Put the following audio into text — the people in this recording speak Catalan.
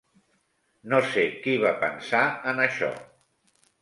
No sé qui va pensar en això.